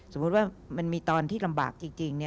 สมมุติว่ามันมีตอนที่ลำบากจริง